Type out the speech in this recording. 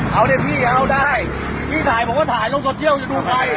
เอาดิพี่เอาได้พี่ถ่ายผมว่าถ่ายตรงโซเซียลเราจะดูไป